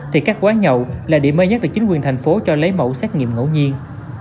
thì các quán nhậu là điểm mới nhất được chính quyền thành phố cho lấy mẫu xét nghiệm ngẫu nhiên